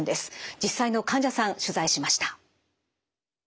実際の患者さん取材しました。